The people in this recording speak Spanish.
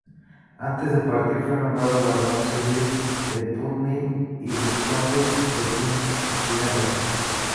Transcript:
Antes de partir fue nombrado barón Cecil de Putney y vizconde de Wimbledon.